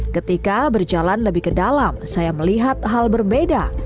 ketika berjalan lebih ke dalam saya melihat hal berbeda